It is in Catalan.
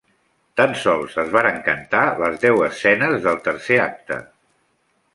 Tan sols es varen cantar les deu escenes del tercer acte.